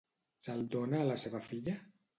Se'l dona a la seva filla?